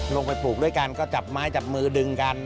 ปลูกด้วยกันก็จับไม้จับมือดึงกัน